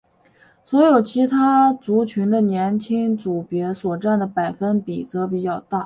所有其他族群的年轻组别所占的百分比则比较大。